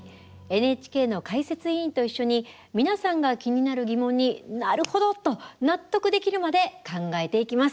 ＮＨＫの解説委員と一緒に皆さんが気になる疑問に「なるほど」と納得できるまで考えていきます。